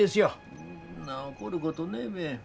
そんな怒ることねえべ。